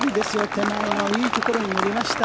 手前のいいところに乗りました。